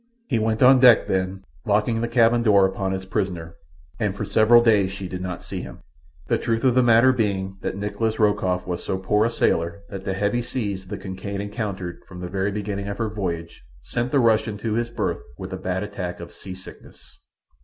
He went on deck then, locking the cabin door upon his prisoner, and for several days she did not see him. The truth of the matter being that Nikolas Rokoff was so poor a sailor that the heavy seas the Kincaid encountered from the very beginning of her voyage sent the Russian to his berth with a bad attack of sea sickness.